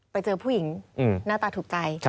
ไปเจอผู้หญิงหน้าตาถูกใจ